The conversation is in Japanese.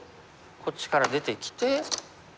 こっちから出てきて。